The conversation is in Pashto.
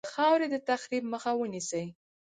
د خاورې د تخریب مخه ونیسي.